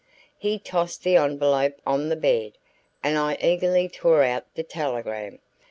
He tossed the envelope on the bed and I eagerly tore out the telegram.